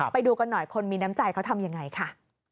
ไปดูกันหน่อยคนมีน้ำใจเขาทำยังไงค่ะ